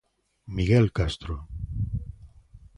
Miguel Castro.